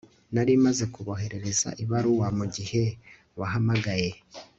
Nari maze kuboherereza ibaruwa mugihe wahamagaye